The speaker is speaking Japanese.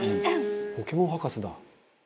「『ポケモン』博士だ」